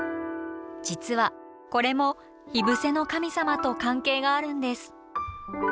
実はこれも火伏せの神様と関係があるんです。